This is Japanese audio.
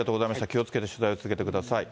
気をつけて取材を続けてください。